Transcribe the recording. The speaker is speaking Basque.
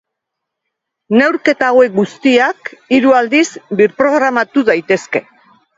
Neurketa hauek guztiak hiru aldiz birprogramatu daitezke.